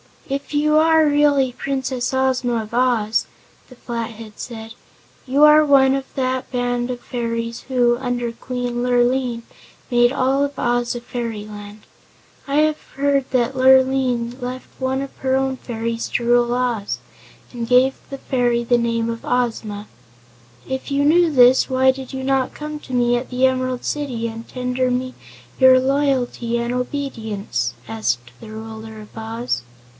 "If you are really Princess Ozma of Oz," the Flathead said, "you are one of that band of fairies who, under Queen Lurline, made all Oz a Fairyland. I have heard that Lurline left one of her own fairies to rule Oz, and gave the fairy the name of Ozma." "If you knew this why did you not come to me at the Emerald City and tender me your loyalty and obedience?" asked the Ruler of Oz.